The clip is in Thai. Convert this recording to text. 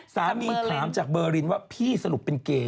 สามีถามจากเบอร์รินว่าพี่สรุปเป็นเก๋